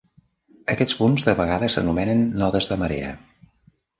Aquests punts de vegades s'anomenen nodes de marea.